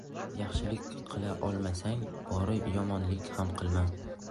Yaxshilik qila olmasang, bori yomonliq ham qilma.